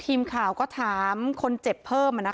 ทีมข่าวก็ถามคนเจ็บเพิ่ม